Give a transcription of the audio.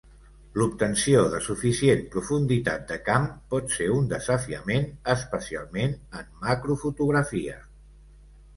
L'obtenció de suficient profunditat de camp pot ser un desafiament, especialment en macrofotografia.